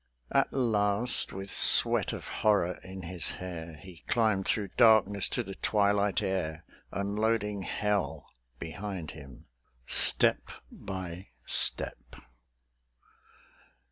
At last, with sweat of horror in his hair, He climbed through darkness to the twilight air, Unloading hell behind him step by step.